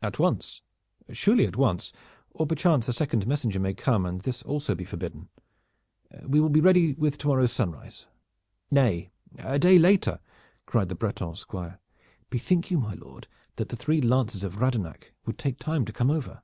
"At once." "Surely at once, or perchance a second messenger may come and this also be forbidden. We will be ready with to morrow's sunrise." "Nay, a day later," cried the Breton Squire. "Bethink you, my lord, that the three lances of Radenac would take time to come over."